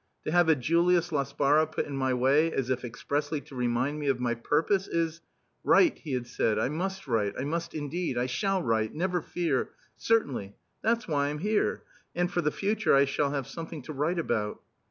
To have a Julius Laspara put in my way as if expressly to remind me of my purpose is Write, he had said. I must write I must, indeed! I shall write never fear. Certainly. That's why I am here. And for the future I shall have something to write about."